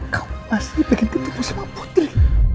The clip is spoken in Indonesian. kamu masih ingin ketemu sama putri